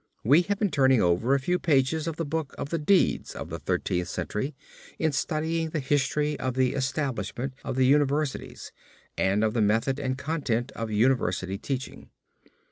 We have been turning over a few of the pages of the book of the deeds of the Thirteenth Century in studying the history of the establishment of the universities and of the method and content of university teaching.